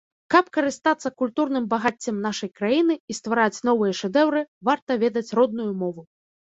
Каб карыстацца культурным багаццем нашай краіны і ствараць новыя шэдэўры, варта ведаць родную мову.